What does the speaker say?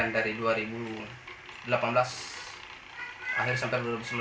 dari dua ribu delapan belas akhir sampai dua ribu sembilan belas